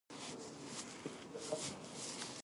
そうなんだ。知らなかったよ。